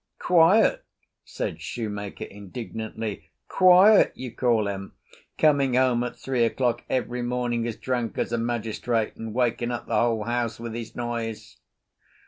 "Quiet!" said shoemaker indignantly. "Quiet you call him, coming home at three o'clock every morning as drunk as a magistrate and waking up the whole house with his noise."